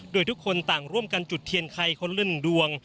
โดยทุกคนต่างร่วมกันจุดเทียนไข่คนละ๑ดวง